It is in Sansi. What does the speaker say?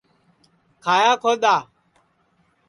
کھایا کھودؔا